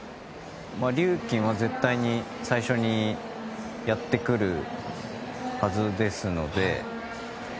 リューキンは絶対に最初にやってくるはずですので。